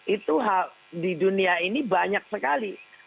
itu di dunia ini banyak sekali